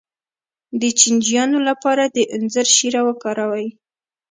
د چینجیانو لپاره د انځر شیره وکاروئ